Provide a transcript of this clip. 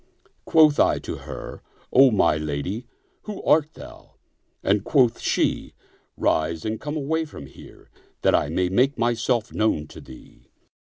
Quoth I to her, " O my lady, who art thou? " and quoth she, " Rise and come away from here, that I may make myself known to thee."